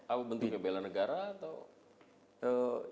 apa bentuknya bela negara atau